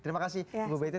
terima kasih bu betty